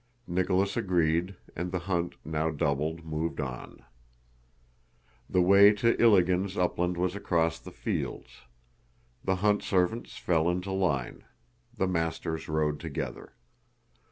Nicholas agreed, and the hunt, now doubled, moved on. The way to Iligin's upland was across the fields. The hunt servants fell into line. The masters rode together.